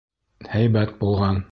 Һәйбәт булған!